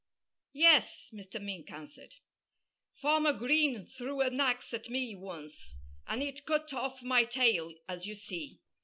"Yes!" Mr. Mink answered. "Farmer Green threw an axe at me once. And it cut off my tail, as you see.